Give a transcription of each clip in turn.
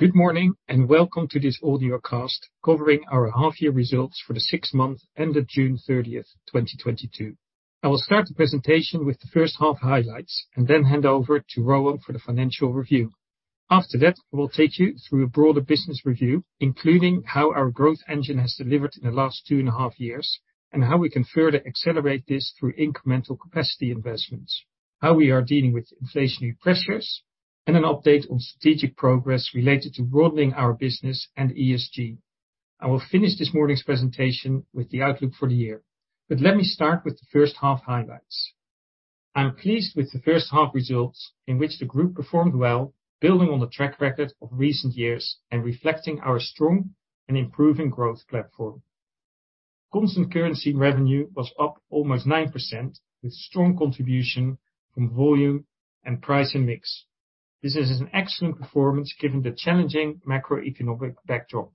Good morning, and welcome to this audio cast covering our half year results for the six months ended June 30th, 2022. I will start the presentation with the first half highlights and then hand over to Rohan for the financial review. After that, we'll take you through a broader business review, including how our growth engine has delivered in the last two and a half years, and how we can further accelerate this through incremental capacity investments, how we are dealing with inflationary pressures, and an update on strategic progress related to broadening our business and ESG. I will finish this morning's presentation with the outlook for the year. Let me start with the first half highlights. I'm pleased with the first half results in which the group performed well, building on the track record of recent years and reflecting our strong and improving growth platform. Constant currency revenue was up almost 9%, with strong contribution from volume and price and mix. This is an excellent performance given the challenging macroeconomic backdrop.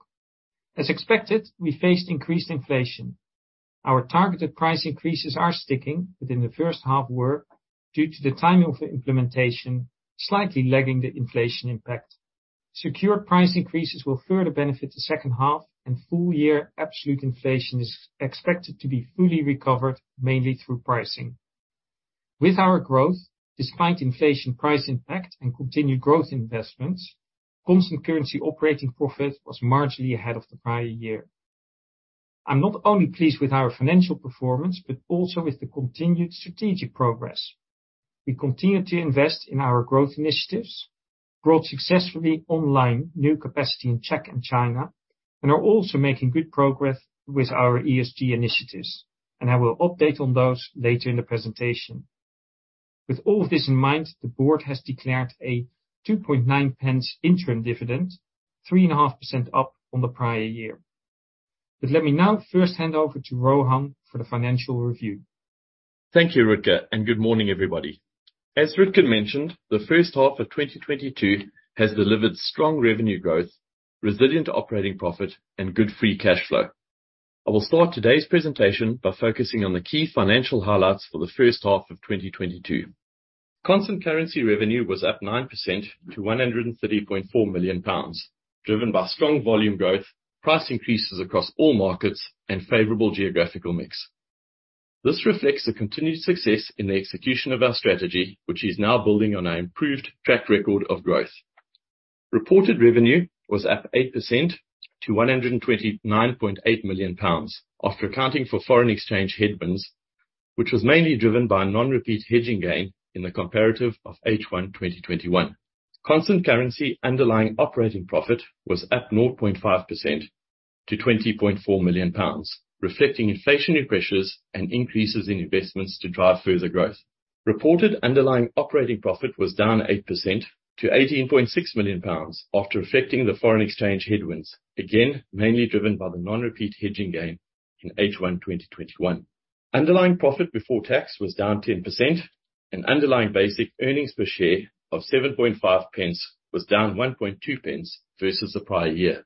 As expected, we faced increased inflation. Our targeted price increases are sticking, but in the first half were due to the timing of the implementation, slightly lagging the inflation impact. Secure price increases will further benefit the second half and full year absolute inflation is expected to be fully recovered, mainly through pricing. With our growth, despite inflation price impact and continued growth investments, constant currency operating profit was marginally ahead of the prior year. I'm not only pleased with our financial performance, but also with the continued strategic progress. We continue to invest in our growth initiatives, brought successfully online new capacity in Czech and China, and are also making good progress with our ESG initiatives, and I will update on those later in the presentation. With all of this in mind, the board has declared a 0.029 interim dividend, 3.5% up on the prior year. Let me now first hand over to Rohan for the financial review. Thank you, Rutger, and good morning, everybody. As Rutger mentioned, the first half of 2022 has delivered strong revenue growth, resilient operating profit, and good free cash flow. I will start today's presentation by focusing on the key financial highlights for the first half of 2022. Constant currency revenue was up 9% to 130.4 million pounds, driven by strong volume growth, price increases across all markets, and favorable geographical mix. This reflects the continued success in the execution of our strategy, which is now building on our improved track record of growth. Reported revenue was up 8% to 129.8 million pounds after accounting for foreign exchange headwinds, which was mainly driven by a non-recurring hedging gain in the comparative of H1 2021. Constant currency underlying operating profit was up 0.5% to 20.4 million pounds, reflecting inflationary pressures and increases in investments to drive further growth. Reported underlying operating profit was down 8% to 18.6 million pounds after adjusting for the foreign exchange headwinds, again, mainly driven by the non-recurring hedging gain in H1 2021. Underlying profit before tax was down 10% and underlying basic earnings per share of 0.075 was down 0.012 versus the prior year.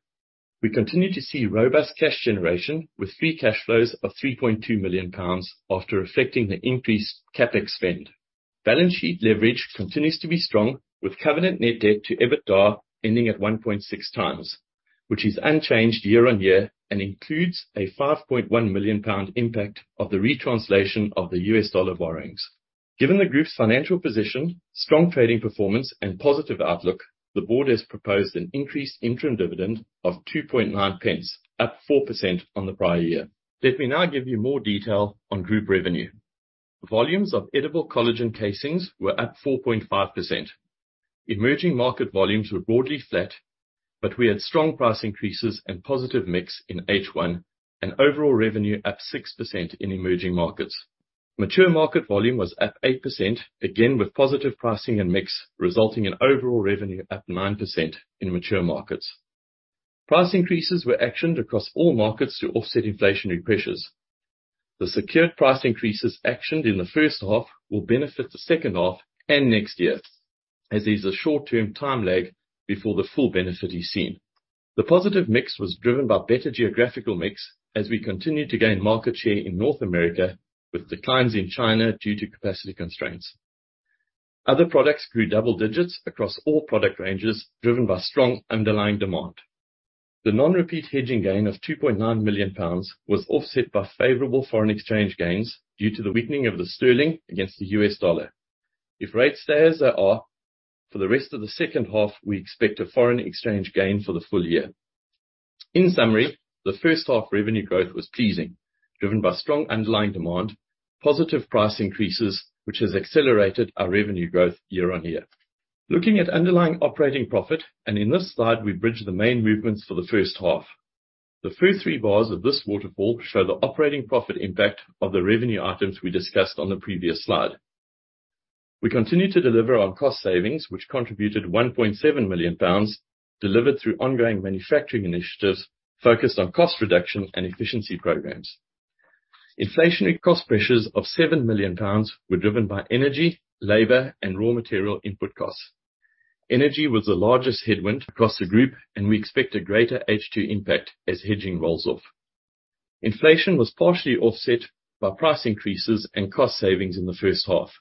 We continue to see robust cash generation with free cash flows of 3.2 million pounds after adjusting for the increased CapEx spend. Balance sheet leverage continues to be strong, with covenant net debt to EBITDA ending at 1.6x, which is unchanged year-on-year and includes a 5.1 million pound impact of the retranslation of the U.S. dollar borrowings. Given the group's financial position, strong trading performance and positive outlook, the board has proposed an increased interim dividend of 0.029, up 4% on the prior year. Let me now give you more detail on group revenue. Volumes of edible collagen casings were up 4.5%. Emerging market volumes were broadly flat, but we had strong price increases and positive mix in H1 and overall revenue up 6% in emerging markets. Mature market volume was up 8%, again, with positive pricing and mix, resulting in overall revenue up 9% in mature markets. Price increases were actioned across all markets to offset inflationary pressures. The secured price increases actioned in the first half will benefit the second half and next year, as there's a short-term time lag before the full benefit is seen. The positive mix was driven by better geographical mix as we continued to gain market share in North America with declines in China due to capacity constraints. Other products grew double digits across all product ranges, driven by strong underlying demand. The non-repeat hedging gain of 2.9 million pounds was offset by favorable foreign exchange gains due to the weakening of the sterling against the U.S. dollar. If rates stay as they are for the rest of the second half, we expect a foreign exchange gain for the full year. In summary, the first half revenue growth was pleasing, driven by strong underlying demand, positive price increases, which has accelerated our revenue growth year-on-year. Looking at underlying operating profit, and in this slide, we bridge the main movements for the first half. The first three bars of this waterfall show the operating profit impact of the revenue items we discussed on the previous slide. We continue to deliver on cost savings, which contributed 1.7 million pounds delivered through ongoing manufacturing initiatives focused on cost reduction and efficiency programs. Inflationary cost pressures of 7 million pounds were driven by energy, labor, and raw material input costs. Energy was the largest headwind across the group, and we expect a greater H2 impact as hedging rolls off. Inflation was partially offset by price increases and cost savings in the first half.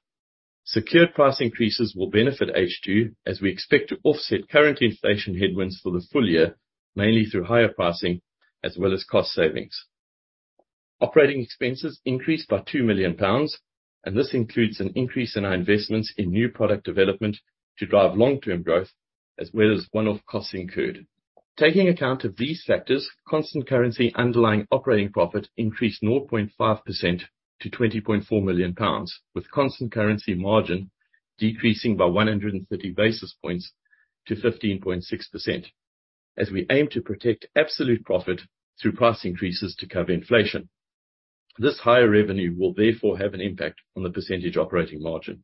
Secured price increases will benefit H2 as we expect to offset current inflation headwinds for the full year, mainly through higher pricing as well as cost savings. Operating expenses increased by 2 million pounds, and this includes an increase in our investments in new product development to drive long-term growth, as well as one-off costs incurred. Taking account of these factors, constant currency underlying operating profit increased 0.5% to 20.4 million pounds, with constant currency margin decreasing by 130 basis points to 15.6% as we aim to protect absolute profit through price increases to cover inflation. This higher revenue will therefore have an impact on the percentage operating margin.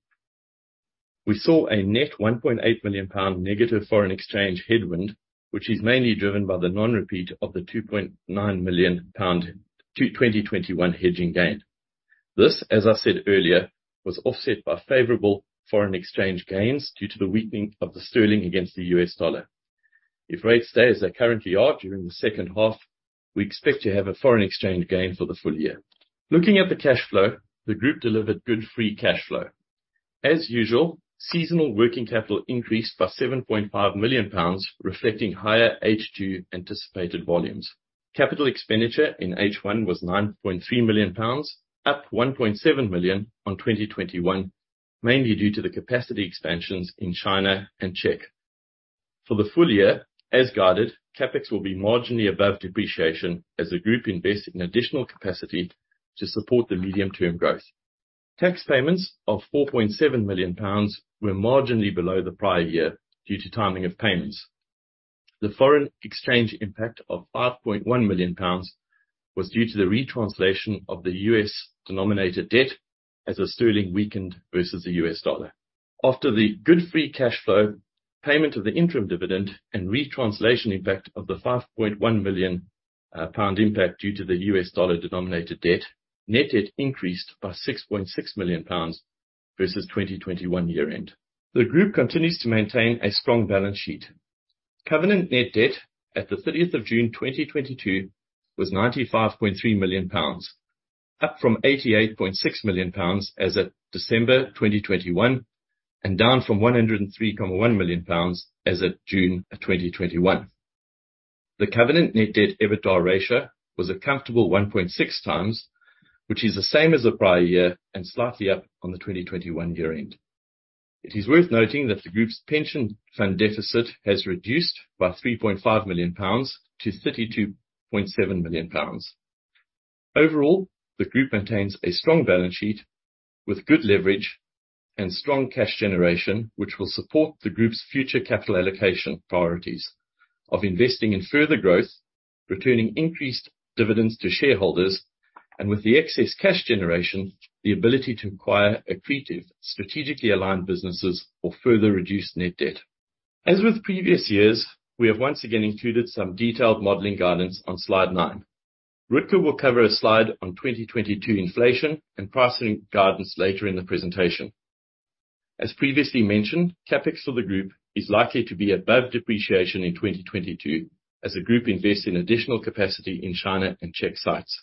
We saw a net 1.8 million pound negative foreign exchange headwind, which is mainly driven by the non-repeat of the 2.9 million pound 2021 hedging gain. This, as I said earlier, was offset by favorable foreign exchange gains due to the weakening of the sterling against the U.S. dollar. If rates stay as they currently are during the second half, we expect to have a foreign exchange gain for the full year. Looking at the cash flow, the group delivered good free cash flow. As usual, seasonal working capital increased by 7.5 million pounds, reflecting higher H2 anticipated volumes. Capital expenditure in H1 was 9.3 million pounds, up 1.7 million on 2021, mainly due to the capacity expansions in China and Czech Republic. For the full year, as guided, CapEx will be marginally above depreciation as the group invest in additional capacity to support the medium-term growth. Tax payments of 4.7 million pounds were marginally below the prior year due to timing of payments. The foreign exchange impact of 5.1 million pounds was due to the retranslation of the U.S.-denominated debt as the sterling weakened versus the U.S. dollar. After the good free cash flow, payment of the interim dividend and retranslation impact of the 5.1 million pound impact due to the U.S. dollar-denominated debt, net debt increased by 6.6 million pounds versus 2021 year end. The group continues to maintain a strong balance sheet. Covenant net debt at the 30th of June 2022 was 95.3 million pounds, up from 88.6 million pounds as of December 2021, and down from 103.1 million pounds as of June of 2021. The covenant net debt EBITDA ratio was a comfortable 1.6x, which is the same as the prior year and slightly up on the 2021 year end. It is worth noting that the group's pension fund deficit has reduced by 3.5 million pounds to 32.7 million pounds. Overall, the group maintains a strong balance sheet with good leverage and strong cash generation, which will support the group's future capital allocation priorities of investing in further growth, returning increased dividends to shareholders, and with the excess cash generation, the ability to acquire accretive, strategically aligned businesses or further reduce net debt. As with previous years, we have once again included some detailed modeling guidance on slide nine. Rutger will cover a slide on 2022 inflation and pricing guidance later in the presentation. As previously mentioned, CapEx for the group is likely to be above depreciation in 2022 as the group invest in additional capacity in China and Czech sites.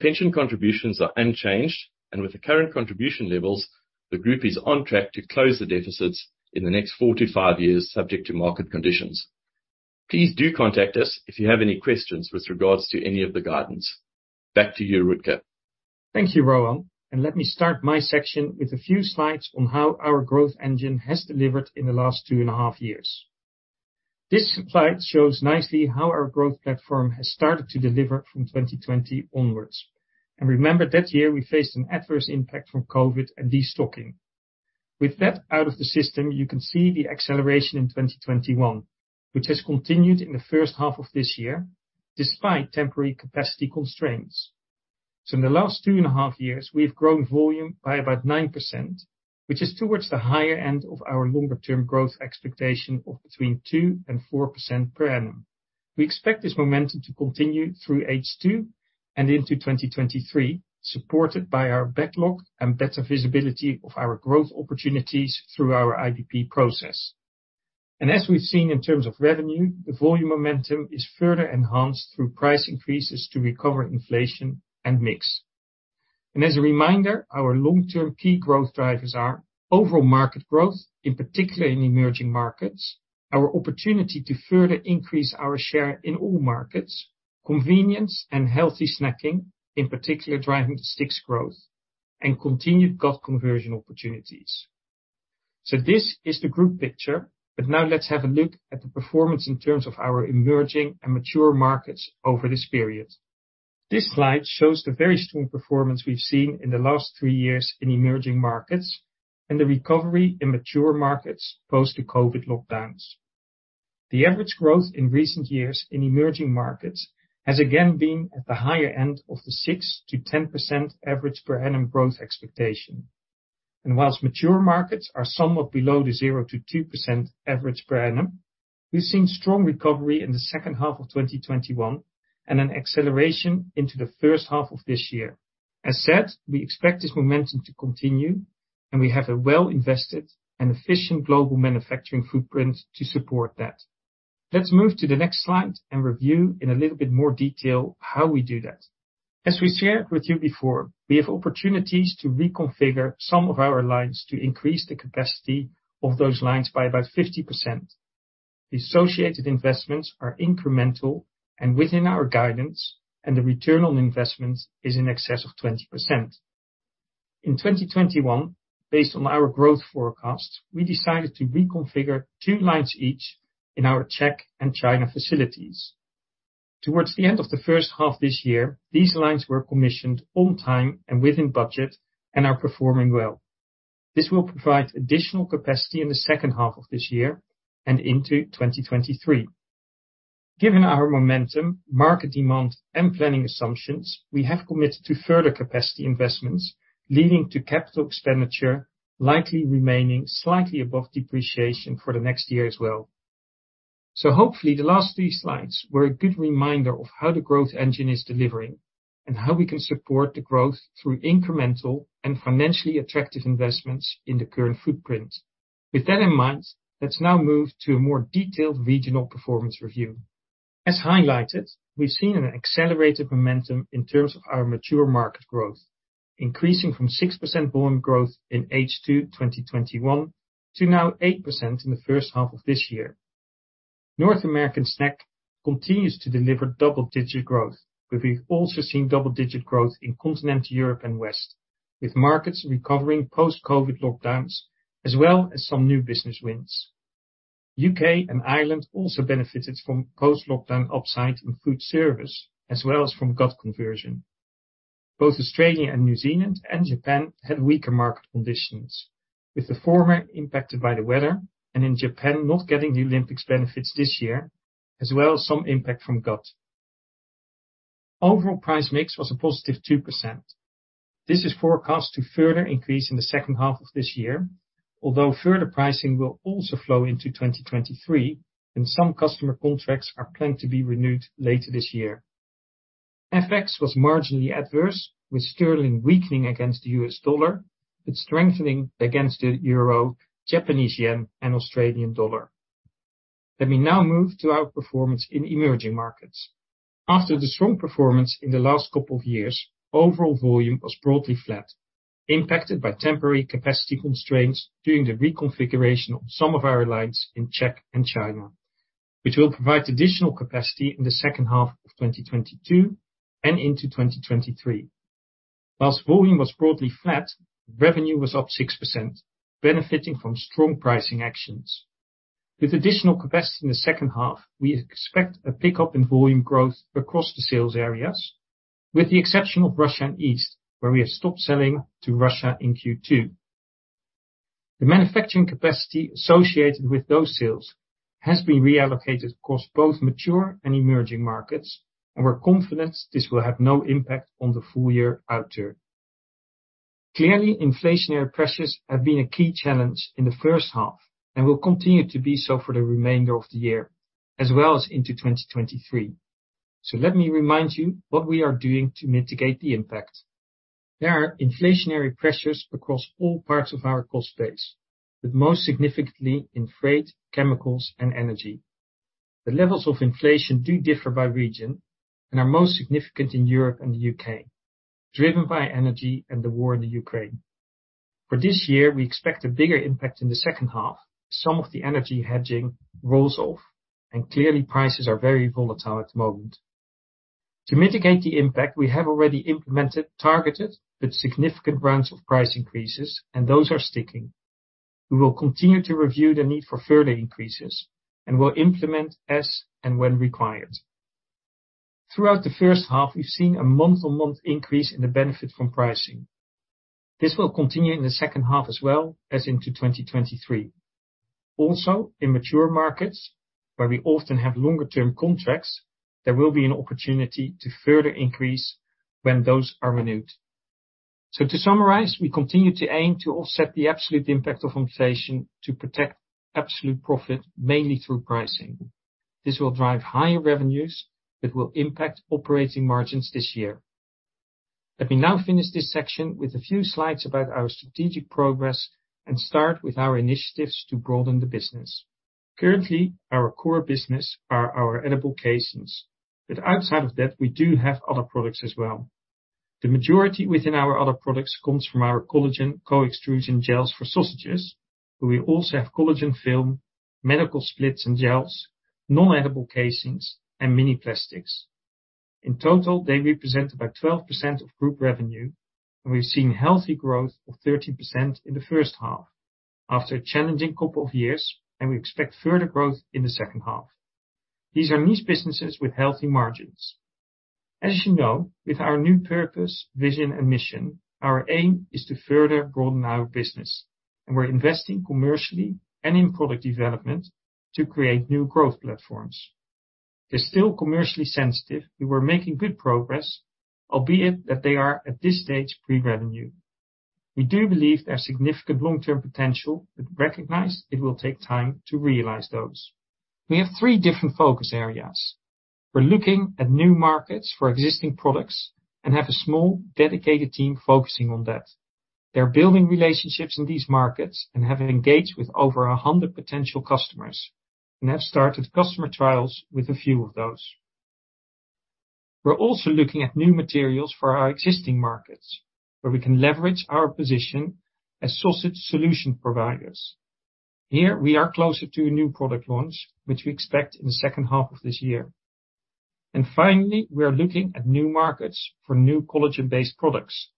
Pension contributions are unchanged, and with the current contribution levels, the group is on track to close the deficits in the next four to five years, subject to market conditions. Please do contact us if you have any questions with regards to any of the guidance. Back to you, Rutger. Thank you, Rohan, and let me start my section with a few slides on how our growth engine has delivered in the last 2.5 Years. This slide shows nicely how our growth platform has started to deliver from 2020 onwards. Remember, that year we faced an adverse impact from COVID and destocking. With that out of the system, you can see the acceleration in 2021, which has continued in the first half of this year, despite temporary capacity constraints. In the last two and a half years, we have grown volume by about 9%, which is towards the higher end of our longer term growth expectation of between 2% and 4% per annum. We expect this momentum to continue through H2 and into 2023, supported by our backlog and better visibility of our growth opportunities through our IDP process. As we've seen in terms of revenue, the volume momentum is further enhanced through price increases to recover inflation and mix. As a reminder, our long-term key growth drivers are overall market growth, in particular in emerging markets, our opportunity to further increase our share in all markets, convenience and healthy snacking, in particular, driving the sticks growth, and continued cost conversion opportunities. This is the group picture, but now let's have a look at the performance in terms of our emerging and mature markets over this period. This slide shows the very strong performance we've seen in the last three years in emerging markets and the recovery in mature markets post the COVID lockdowns. The average growth in recent years in emerging markets has again been at the higher end of the 6%-10% average per annum growth expectation. While mature markets are somewhat below the 0%-2% average per annum, we've seen strong recovery in the second half of 2021 and an acceleration into the first half of this year. As said, we expect this momentum to continue, and we have a well-invested and efficient global manufacturing footprint to support that. Let's move to the next slide and review in a little bit more detail how we do that. As we shared with you before, we have opportunities to reconfigure some of our lines to increase the capacity of those lines by about 50%. The associated investments are incremental and within our guidance, and the return on investment is in excess of 20%. In 2021, based on our growth forecast, we decided to reconfigure two lines each in our Czech and China facilities. Towards the end of the first half this year, these lines were commissioned on time and within budget and are performing well. This will provide additional capacity in the second half of this year and into 2023. Given our momentum, market demand, and planning assumptions, we have committed to further capacity investments, leading to capital expenditure likely remaining slightly above depreciation for the next year as well. Hopefully the last three slides were a good reminder of how the growth engine is delivering, and how we can support the growth through incremental and financially attractive investments in the current footprint. With that in mind, let's now move to a more detailed regional performance review. As highlighted, we've seen an accelerated momentum in terms of our mature market growth, increasing from 6% volume growth in H2 2021 to now 8% in the first half of this year. North American snack continues to deliver double-digit growth. We've also seen double-digit growth in Continental Europe and West, with markets recovering post-COVID lockdowns, as well as some new business wins. U.K. and Ireland also benefited from post-lockdown upside in food service, as well as from gut conversion. Both Australia and New Zealand and Japan had weaker market conditions, with the former impacted by the weather and in Japan not getting the Olympics benefits this year, as well as some impact from gut. Overall price mix was a +2%. This is forecast to further increase in the second half of this year, although further pricing will also flow into 2023, and some customer contracts are planned to be renewed later this year. FX was marginally adverse, with sterling weakening against the U.S. dollar, but strengthening against the euro, Japanese yen, and Australian dollar. Let me now move to our performance in emerging markets. After the strong performance in the last couple of years, overall volume was broadly flat, impacted by temporary capacity constraints during the reconfiguration of some of our lines in Czech and China, which will provide additional capacity in the second half of 2022 and into 2023. While volume was broadly flat, revenue was up 6%, benefiting from strong pricing actions. With additional capacity in the second half, we expect a pickup in volume growth across the sales areas, with the exception of Russia and East, where we have stopped selling to Russia in Q2. The manufacturing capacity associated with those sales has been reallocated across both mature and emerging markets, and we're confident this will have no impact on the full year outturn. Clearly, inflationary pressures have been a key challenge in the first half and will continue to be so for the remainder of the year, as well as into 2023. Let me remind you what we are doing to mitigate the impact. There are inflationary pressures across all parts of our cost base, but most significantly in freight, chemicals, and energy. The levels of inflation do differ by region and are most significant in Europe and the U.K., driven by energy and the war in the Ukraine. For this year, we expect a bigger impact in the second half. Some of the energy hedging rolls off, and clearly prices are very volatile at the moment. To mitigate the impact, we have already implemented targeted but significant rounds of price increases, and those are sticking. We will continue to review the need for further increases and will implement as and when required. Throughout the first half, we've seen a month-on-month increase in the benefit from pricing. This will continue in the second half as well as into 2023. Also, in mature markets, where we often have longer term contracts, there will be an opportunity to further increase when those are renewed. To summarize, we continue to aim to offset the absolute impact of inflation to protect absolute profit, mainly through pricing. This will drive higher revenues that will impact operating margins this year. Let me now finish this section with a few slides about our strategic progress and start with our initiatives to broaden the business. Currently, our core business are our edible casings, but outside of that, we do have other products as well. The majority within our other products comes from our collagen co-extrusion gels for sausages, but we also have collagen film, medical splits and gels, non-edible casings, and plastics. In total, they represent about 12% of group revenue, and we've seen healthy growth of 13% in the first half after a challenging couple of years, and we expect further growth in the second half. These are niche businesses with healthy margins. As you know, with our new purpose, vision, and mission, our aim is to further broaden our business, and we're investing commercially and in product development to create new growth platforms. They're still commercially sensitive, but we're making good progress, albeit that they are at this stage pre-revenue. We do believe there's significant long-term potential, but recognize it will take time to realize those. We have three different focus areas. We're looking at new markets for existing products and have a small dedicated team focusing on that. They're building relationships in these markets and have engaged with over 100 potential customers and have started customer trials with a few of those. We're also looking at new materials for our existing markets, where we can leverage our position as sausage solution providers. Here, we are closer to a new product launch, which we expect in the second half of this year. Finally, we are looking at new markets for new collagen-based products.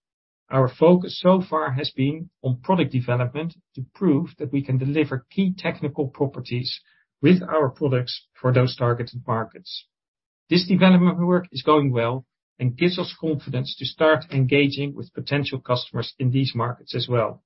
Our focus so far has been on product development to prove that we can deliver key technical properties with our products for those targeted markets. This development work is going well and gives us confidence to start engaging with potential customers in these markets as well.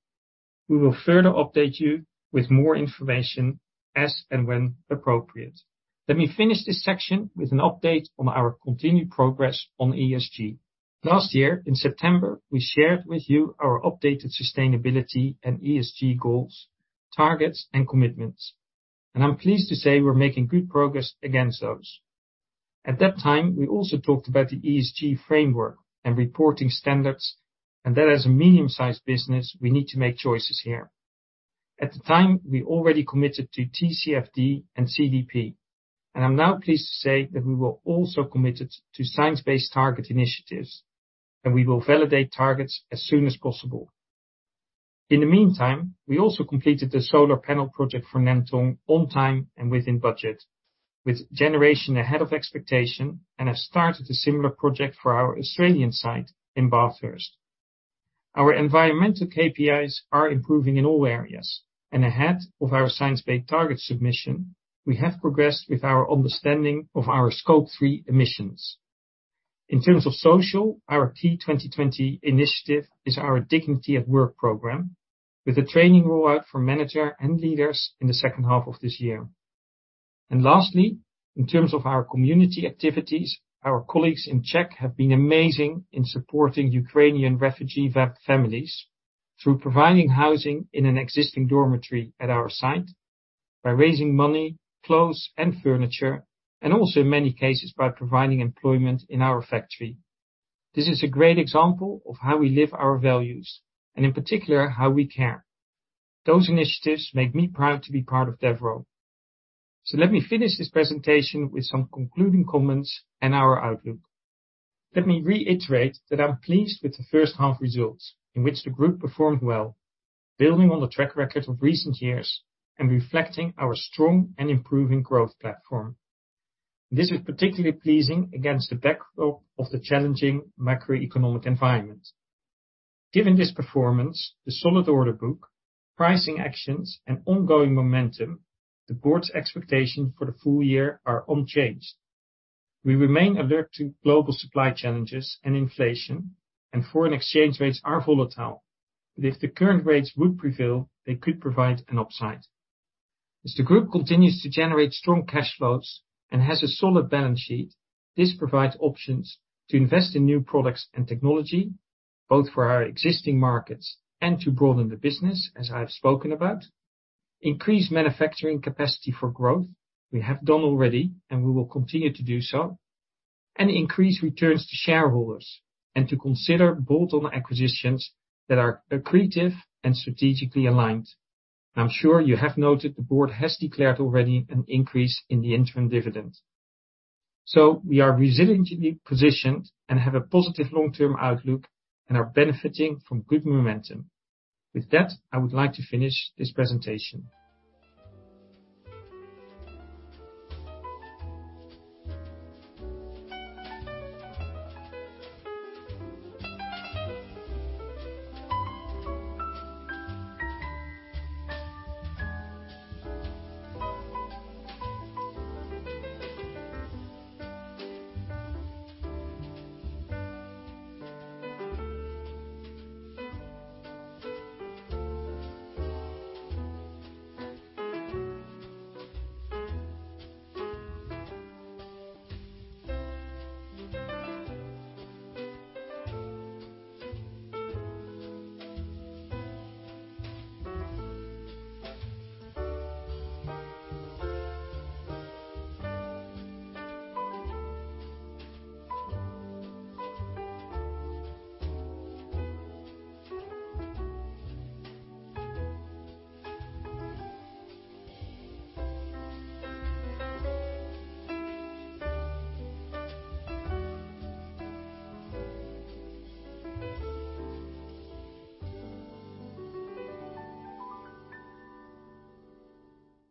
We will further update you with more information as and when appropriate. Let me finish this section with an update on our continued progress on ESG. Last year in September, we shared with you our updated sustainability and ESG goals, targets, and commitments, and I'm pleased to say we're making good progress against those. At that time, we also talked about the ESG framework and reporting standards, and that as a medium-sized business, we need to make choices here. At the time, we already committed to TCFD and CDP, and I'm now pleased to say that we were also committed to Science Based Targets initiative, and we will validate targets as soon as possible. In the meantime, we also completed the solar panel project for Nantong on time and within budget, with generation ahead of expectation, and have started a similar project for our Australian site in Bathurst. Our environmental KPIs are improving in all areas. Ahead of our Science Based Targets submission, we have progressed with our understanding of our Scope 3 emissions. In terms of social, our key 2020 initiative is our Dignity at Work program, with the training rollout for manager and leaders in the second half of this year. Lastly, in terms of our community activities, our colleagues in Czech have been amazing in supporting Ukrainian refugee families through providing housing in an existing dormitory at our site by raising money, clothes, and furniture, and also in many cases, by providing employment in our factory. This is a great example of how we live our values and in particular, how we care. Those initiatives make me proud to be part of Devro. Let me finish this presentation with some concluding comments and our outlook. Let me reiterate that I'm pleased with the first half results in which the group performed well, building on the track record of recent years and reflecting our strong and improving growth platform. This is particularly pleasing against the backdrop of the challenging macroeconomic environment. Given this performance, the solid order book, pricing actions, and ongoing momentum, the board's expectations for the full year are unchanged. We remain alert to global supply challenges and inflation, and foreign exchange rates are volatile. If the current rates would prevail, they could provide an upside. As the group continues to generate strong cash flows and has a solid balance sheet, this provides options to invest in new products and technology, both for our existing markets and to broaden the business, as I've spoken about. Increase manufacturing capacity for growth. We have done already, and we will continue to do so. Increase returns to shareholders and to consider bolt-on acquisitions that are accretive and strategically aligned. I'm sure you have noted the board has declared already an increase in the interim dividend. We are resiliently positioned and have a positive long-term outlook and are benefiting from good momentum. With that, I would like to finish this presentation.